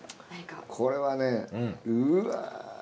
これはねうわ。